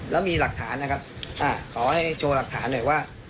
แล้วมีหลักฐานนะครับขอให้โชว์หลักฐานหน่อยว่า